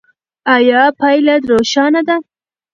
ایا پایله روښانه ده؟